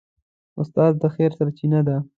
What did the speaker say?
استاد د خیر سرچینه ده.